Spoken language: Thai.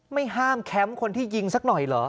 ไม่ห้ามแคมป์คนที่ยิงสักหน่อยเหรอ